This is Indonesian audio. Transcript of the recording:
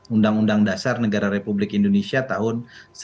undang undang dasar negara republik indonesia tahun seribu sembilan ratus empat puluh lima